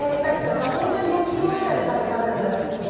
ほんとに焼きイモみたいな感じで食べるのが好きで。